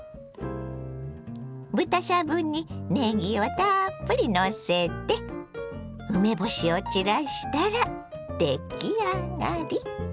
豚しゃぶにねぎをたっぷりのせて梅干しを散らしたら出来上がり！